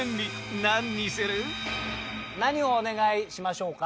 何をお願いしましょうか？